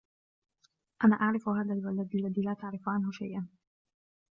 أنا أعرف هذا الولد الذي لا تعرف عنه شيئا.